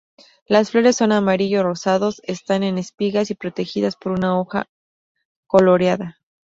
Las flores son amarillo-rosados, están en espigas y protegidas por una hoja coloreada.